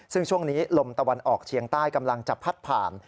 ซึ่งช่วงนี้ลมตะวันออกเชียงใต้กำลังจะพัดผ่าน